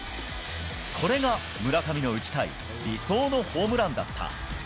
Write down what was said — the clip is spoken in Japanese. これが村上の打ちたい理想のホームランだった。